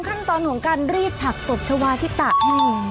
ขั้นตอนของการรีดผลักหมงสวทธาวะที่ตัดให้